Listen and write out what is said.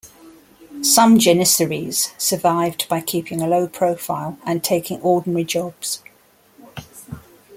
Some Janissaries survived by keeping a low profile and taking ordinary jobs.